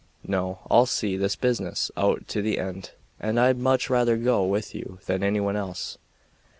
No, I'll see this business out to the end, and I'd much rather go with you than anyone else."